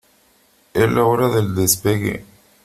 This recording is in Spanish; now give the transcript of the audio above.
Es la hora del despegue .